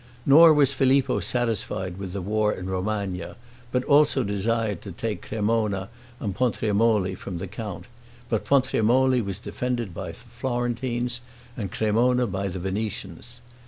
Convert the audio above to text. Nor was Filippo satisfied with the war in Romagna, but also desired to take Cremona and Pontremoli from the count; but Pontremoli was defended by the Florentines, and Cremona by the Venetians.